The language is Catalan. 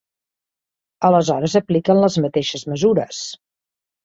Aleshores apliquen les mateixes mesures.